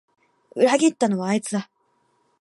裏切ったのはあいつだ